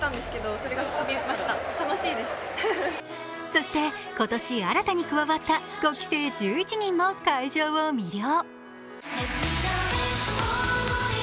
そして今年新たに加わった５期生１１人も会場を魅了。